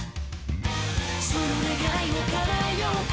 「その願いを叶えようか」